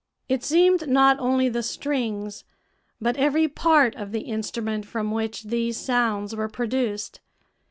It seemed not only the strings, but every part of the instrument from which these sounds were produced.